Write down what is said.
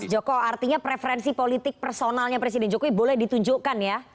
joko artinya preferensi politik personalnya presiden jokowi boleh ditunjukkan ya